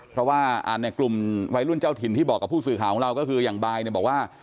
เพราะว่าในกลุ่มวัยรุ่นเจ้าถิ่นที่บอกกับผู้สื่อข่าวของเราก็คืออย่างบายเนี่ยบอกว่า